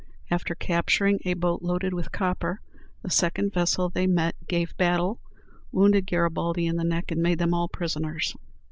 After capturing a boat loaded with copper, the second vessel they met gave battle, wounded Garibaldi in the neck, and made them all prisoners.